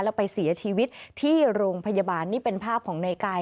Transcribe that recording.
แล้วไปเสียชีวิตที่โรงพยาบาลนี่เป็นภาพของนายกาย